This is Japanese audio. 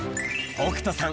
北斗さん